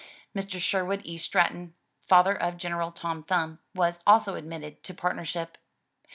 Mr. Sherwood E. Stratton, father of General Tom Thumb, was also admitted to partnership.